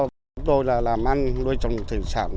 chúng tôi là làm ăn nuôi trồng thủy sản